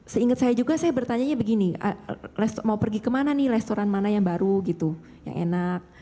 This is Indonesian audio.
seingat saya juga saya bertanya begini mau pergi kemana nih restoran mana yang baru gitu yang enak